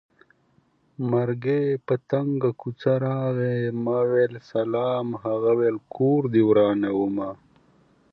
مرګی په تنګه کوڅه راغی ما وېل سلام هغه وېل کور دې ورانومه